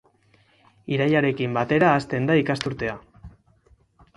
Irailarekin batera hasten da ikasturtea.